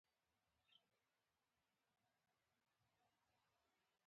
پښتورګي په بدن کې څه دنده لري